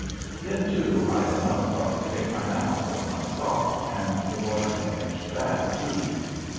Then, too, I had not thought to take my map out of my sock, and the water damaged that, too.